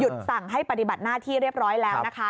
สั่งให้ปฏิบัติหน้าที่เรียบร้อยแล้วนะคะ